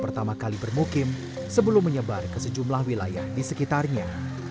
pertama kali bermukim sebelum menyebar ke sejumlah wilayah di sekitarnya